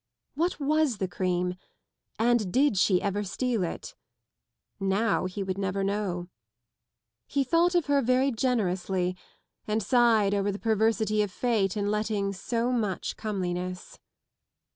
What was the cream? And did she ever steal it? Now he would never na know. He thought ol her very generously and sighed over the perversity of fate la letting so much comeliness.